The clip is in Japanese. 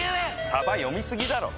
さば読みすぎだろ！